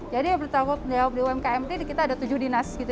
jadi yang bertanggung jawab di umkm ini kita ada tujuh dinas